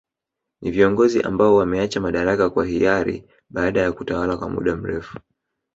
Ni viongozi ambao wameacha madaraka kwa hiari baada ya kutawala kwa muda mrefu